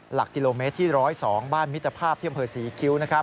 หลักกิโลเมตรที่๑๐๒บ้านมิตรภาพที่อำเภอศรีคิ้ว